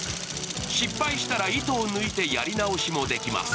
失敗したら糸を抜いてやり直しもできます。